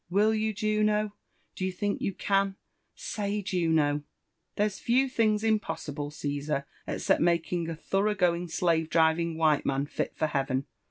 Will you, Juno Y do you think you can 7 Say, Juno ?"* ''There's few things impossible, Ceesar, eieept making a thorougin going slave driting white man fit for heaven.